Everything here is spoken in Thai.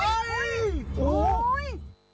เดี๋ยวเจอมีเหตุการณ์โอ๊ย